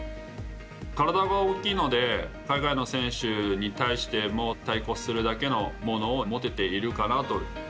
体が大きいので海外の選手に対しても対抗するだけのものを持てているかなと。